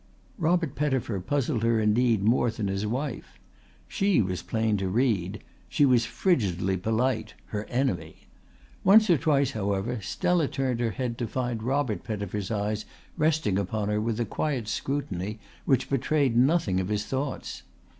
Robert Pettifer puzzled her indeed more than his wife. She was plain to read. She was frigidly polite, her enemy. Once or twice, however, Stella turned her head to find Robert Pettifer's eyes resting upon her with a quiet scrutiny which betrayed nothing of his thoughts.